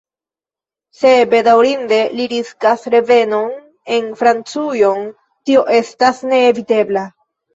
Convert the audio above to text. Se bedaŭrinde li riskas revenon en Francujon, tio estas neevitebla.